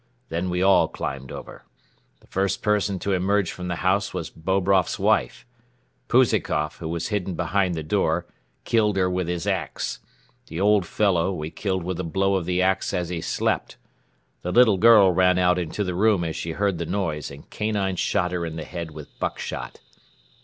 Then we all climbed over. The first person to emerge from the house was Bobroff's wife. Pouzikoff, who was hidden behind the door, killed her with his ax. The old fellow we killed with a blow of the ax as he slept. The little girl ran out into the room as she heard the noise and Kanine shot her in the head with buckshot.